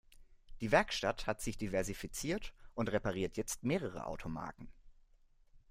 Die Werkstatt hat sich diversifiziert und repariert jetzt mehrere Automarken.